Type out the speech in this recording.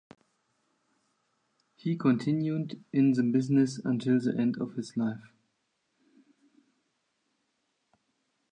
He continued in this business until the end of his life.